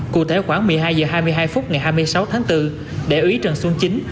cụ thể khoảng một mươi hai h hai mươi hai phút ngày hai mươi sáu tháng bốn đại úy trần xuân chính